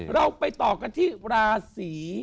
เราไปต่อกันที่ราศี